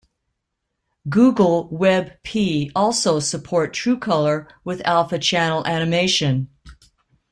Google WebP also support Truecolor with alpha channel animation.